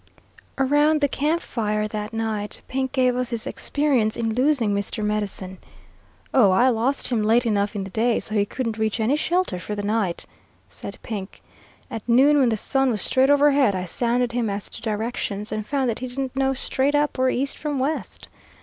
Around the camp fire that night, Pink gave us his experience in losing Mr. Medicine. 'Oh, I lost him late enough in the day so he couldn't reach any shelter for the night,' said Pink. 'At noon, when the sun was straight overhead, I sounded him as to directions and found that he didn't know straight up or east from west.